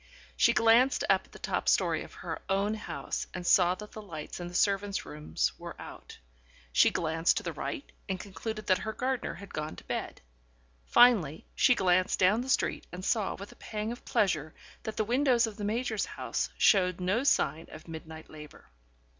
She glanced up at the top story of her own house, and saw that the lights in the servants' rooms were out: she glanced to the right and concluded that her gardener had gone to bed: finally, she glanced down the street and saw with a pang of pleasure that the windows of the Major's house showed no sign of midnight labour.